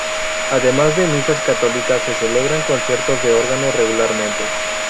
Además de misas católicas, se celebran conciertos de órgano regularmente.